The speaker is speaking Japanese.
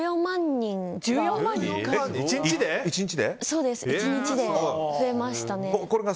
はい、１日で増えましたね。